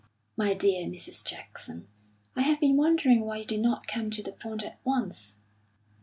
"My dear Mrs. Jackson, I have been wondering why you did not come to the point at once."